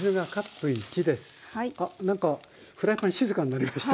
あ何かフライパン静かになりました。